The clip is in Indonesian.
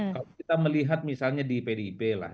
kalau kita melihat misalnya di pdip lah